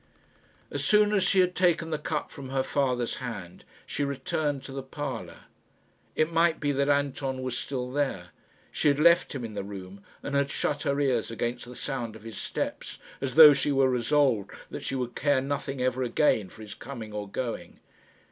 As soon as she had taken the cup from her father's hand, she returned to the parlour. It might be that Anton was still there. She had left him in the room, and had shut her ears against the sound of his steps, as though she were resolved that she would care nothing ever again for his coming or going.